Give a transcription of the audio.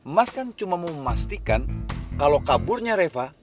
mas kan cuma mau memastikan kalau kaburnya reva